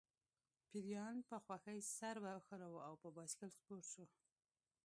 پیریان په خوښۍ سر وښوراوه او په بایسکل سپور شو